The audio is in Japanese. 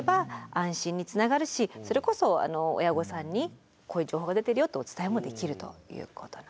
安心につながるしそれこそ親御さんにこういう情報が出てるよとお伝えもできるということなんです。